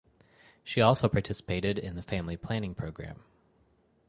She also participated in the family planning program.